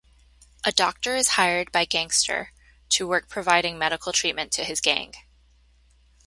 A doctor is hired by gangster to work providing medical treatment to his gang.